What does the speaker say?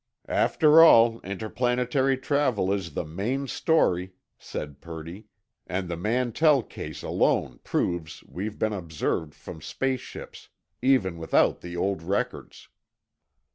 "After all, interplanetary travel is the main story," said Purdy. "And the Mantell case alone proves we've been observed from space ships, even without the old records."